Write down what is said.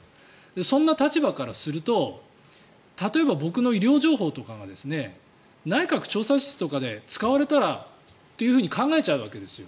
そんな立場からすると例えば僕の医療情報とかが内閣調査室とかで使われたらというふうに考えちゃうわけですよ。